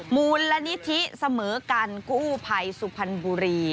มูลนิธิเสมอกันกู้ภัยสุพรรณบุรี